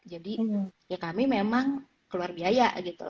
jadi ya kami memang keluar biaya gitu